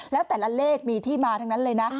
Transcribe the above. แล้วแต่ละเลขมีที่มาทั้งนั้นเลยนะ